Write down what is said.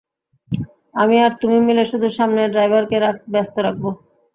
আমি আর তুমি মিলে শুধু সামনে ড্রাইভারকে ব্যস্ত রাখব।